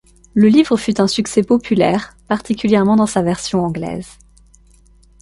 Le livre fut un succès populaire, particulièrement dans sa version anglaise.